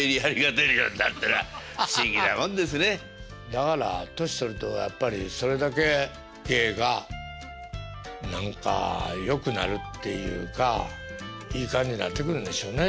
だから年取るとやっぱりそれだけ芸が何かよくなるっていうかいい感じになってくるんでしょうね